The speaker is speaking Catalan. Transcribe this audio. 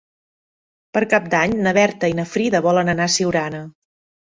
Per Cap d'Any na Berta i na Frida volen anar a Siurana.